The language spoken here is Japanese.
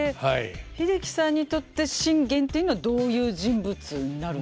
英樹さんにとって信玄っていうのはどういう人物になるんですか。